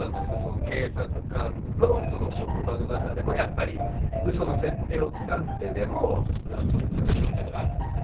警察官の職場の中でもやっぱりウソの設定を使ってでも納得させるみたいなのがあったんですか？